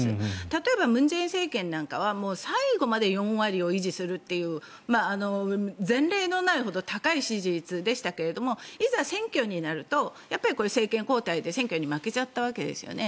例えば、文在寅政権なんかは最後まで４割を維持するという前例のないほど高い支持率でしたけれどもいざ選挙になると政権交代で選挙に負けちゃったわけですよね。